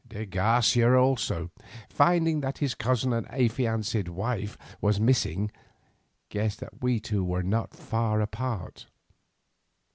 De Garcia also, finding that his cousin and affianced wife was missing, guessed that we two were not far apart.